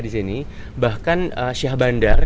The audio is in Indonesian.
disini bahkan syah bandar